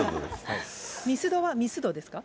ミスドはミスドですか？